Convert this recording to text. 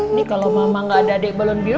ini kalau mama gak ada adik balon biru